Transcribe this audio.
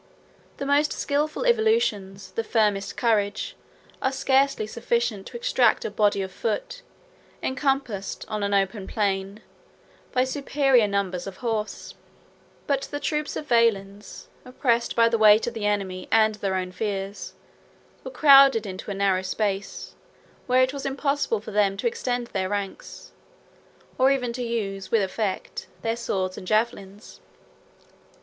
The most skilful evolutions, the firmest courage, are scarcely sufficient to extricate a body of foot, encompassed, on an open plain, by superior numbers of horse; but the troops of Valens, oppressed by the weight of the enemy and their own fears, were crowded into a narrow space, where it was impossible for them to extend their ranks, or even to use, with effect, their swords and javelins.